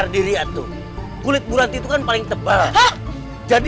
kedekat jurang itu aja saya gak berani